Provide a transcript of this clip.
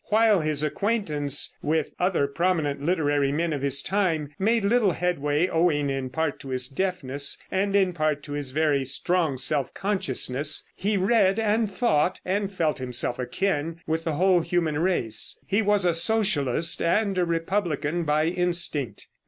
While his acquaintance with other prominent literary men of his time made little headway, owing in part to his deafness, and in part to his very strong self consciousness, he read and thought, and felt himself akin with the whole human race. He was a socialist and a republican by instinct.